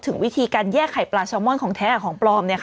ถึงวิธีการแยกไข่ปลาแซลมอนของแท้ของปลอม